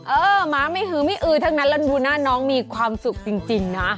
หมาไม่หือไม่อือทั้งนั้นแล้วดูหน้าน้องมีความสุขจริงนะ